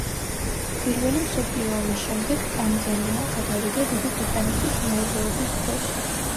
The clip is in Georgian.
პირველი მსოფლიო ომის შემდეგ ტანზანია გადავიდა დიდი ბრიტანეთის მეურვეობის ქვეშ.